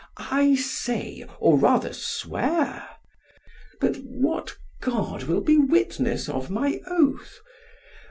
'I say, or rather swear' but what god will be witness of my oath?